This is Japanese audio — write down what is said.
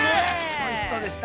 ◆おいしそうでした。